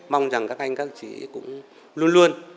mong rằng các anh các chị cũng luôn luôn